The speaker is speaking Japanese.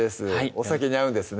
お酒に合うんですね